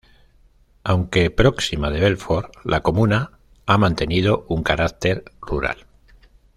Aunque próxima de Belfort, la comuna ha mantenido un caracter rural.